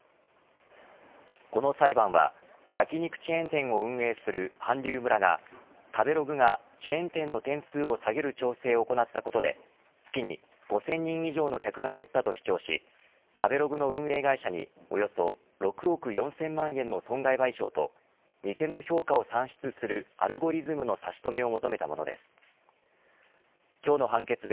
この裁判は焼き肉チェーン店を運営する韓流村が食べログがチェーン店の点数を下げる調整を行ったことで月に５０００人以上の客が減ったと主張し食べログの運営会社におよそ６億４０００万円の損害賠償と店の評価を算出するアルゴリズムの差し止めを求めたものです。